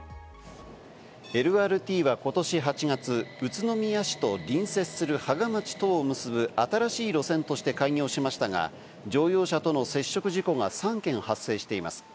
ＬＲＴはことし８月、宇都宮市と隣接する芳賀町とを結ぶ新しい路線として開業しましたが、乗用車との接触事故が３件発生しています。